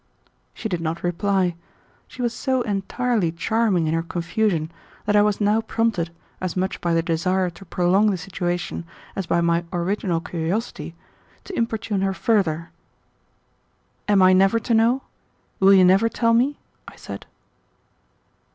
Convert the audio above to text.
She did not reply. She was so entirely charming in her confusion that I was now prompted, as much by the desire to prolong the situation as by my original curiosity, to importune her further. "Am I never to know? Will you never tell me?" I said.